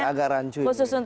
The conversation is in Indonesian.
seharusnya agak rancun